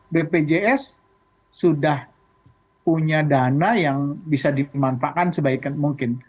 bpjs sudah punya dana yang bisa dimanfaatkan sebaik mungkin